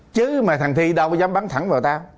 chứ mà thằng thi đâu có dám bắn thẳng vào tao